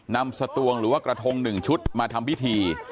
นำสตวงหรือว่ากระทง๑ชุดมาทำพิธี